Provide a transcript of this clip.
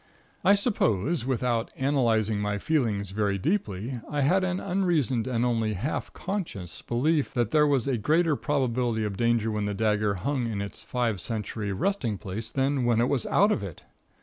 I suppose, without analyzing my feelings very deeply, I had an unreasoned and only half conscious belief that there was a greater probability of danger when the dagger hung in its five century resting place than when it was out of it!